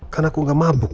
kan aku gak mabuk